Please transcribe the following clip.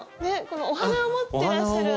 このお花を持ってらっしゃる。